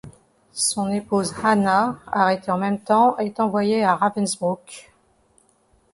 Son épouse Hanna, arrêtée en même temps, est envoyée à Ravensbrück.